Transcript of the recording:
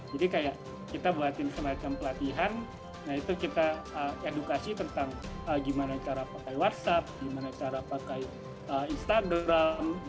jadi kayak kita buatin semacam pelatihan nah itu kita edukasi tentang gimana cara pakai whatsapp gimana cara pakai instagram